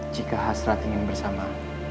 jika hasrat ingin bersama